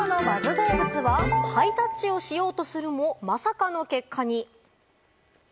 どうぶつは、ハイタッチをしようとするも、まさかの結果に。